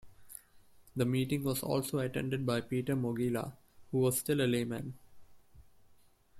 The meeting was also attended by Peter Mogila, who was still a layman.